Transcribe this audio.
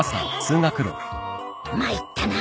参ったな